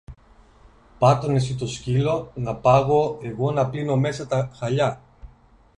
Πάρ' τον εσύ το σκύλο, να πάγω εγώ να πλύνω μέσα τα χαλιά!